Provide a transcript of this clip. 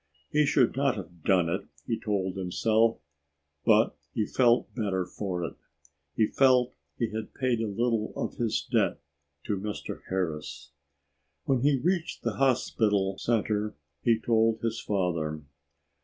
He should not have done it, he told himself, but he felt better for it. He felt he had paid a little of his debt to Mr. Harris. When he reached the hospital center he told his father.